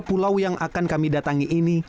dua pulau yang akan kami datang ini